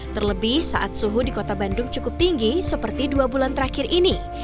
terlebih saat suhu di kota bandung cukup tinggi seperti dua bulan terakhir ini